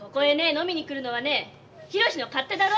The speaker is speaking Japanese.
飲みに来るのはね宏の勝手だろ。